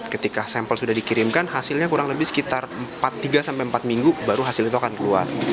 ketika sampel sudah dikirimkan hasilnya kurang lebih sekitar tiga sampai empat minggu baru hasil itu akan keluar